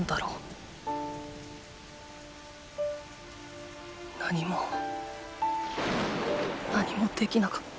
心の声何も何もできなかった。